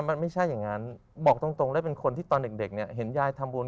มันไม่ใช่อย่างนั้นบอกตรงเลยเป็นคนที่ตอนเด็กเนี่ยเห็นยายทำบุญ